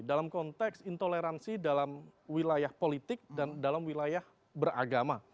dalam konteks intoleransi dalam wilayah politik dan dalam wilayah beragama